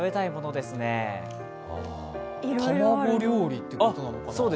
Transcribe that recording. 卵料理ってことなのかな。